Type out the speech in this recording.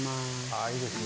あいいですね。